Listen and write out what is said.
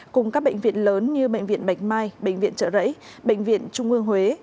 cùng các bệnh viện lớn như bệnh viện bạch mai bệnh viện trợ rẫy bệnh viện trung ương huế